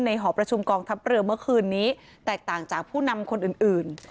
หอประชุมกองทัพเรือเมื่อคืนนี้แตกต่างจากผู้นำคนอื่น